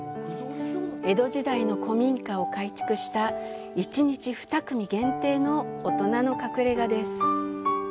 江戸時代の古民家を改築した１日２組限定の大人の隠れ家です。